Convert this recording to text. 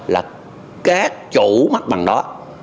là các chủ mặt bằng đó